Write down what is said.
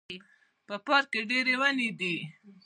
په پارک کې ډیري وني دي